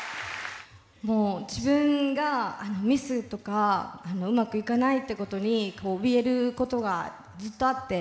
もう自分がミスとかうまくいかないってことにおびえることがずっとあって。